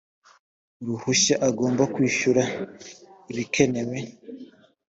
uruhushya agomba kwishyura ibikenewe